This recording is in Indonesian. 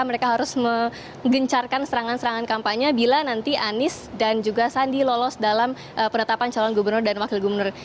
mereka harus menggencarkan serangan serangan kampanye bila nanti anies dan juga sandi lolos dalam penetapan calon gubernur dan wakil gubernur